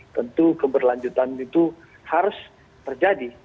tentu keberlanjutan itu harus terjadi